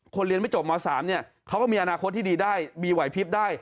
คนเรียนไม่จบเมาสามเนี่ยเขาก็มีอนาคตที่ดีได้มีหวัยพลิบได้